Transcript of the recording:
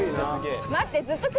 待って。